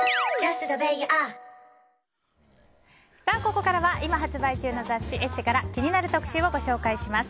ここからは今発売中の雑誌「ＥＳＳＥ」から気になる特集をご紹介します。